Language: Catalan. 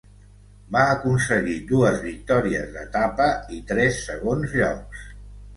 Va aconseguir dues victòries d'etapa i tres segons llocs.